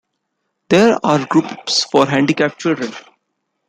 There are groups for handicapped children.